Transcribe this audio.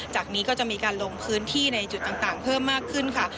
จากนี้ก็จะมีการลงพื้นที่ในจุดต่างเพิ่มมากขึ้นค่ะ